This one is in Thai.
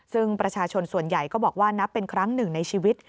ซึ่งประชาชนส่วนใหญ่ก็บอกว่านับเป็นครั้งหนึ่งในชีวิต